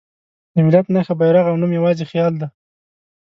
د ملت نښه، بیرغ او نوم یواځې خیال دی.